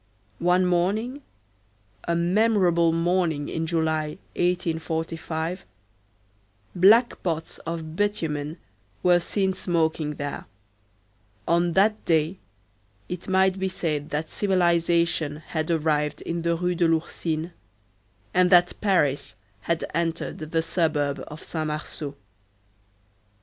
One morning,—a memorable morning in July, 1845,—black pots of bitumen were seen smoking there; on that day it might be said that civilization had arrived in the Rue de l'Ourcine, and that Paris had entered the suburb of Saint Marceau.